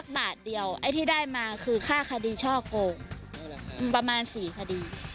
ก็มีเยอะกว่ามันใช่นี่ได้ป๊ะ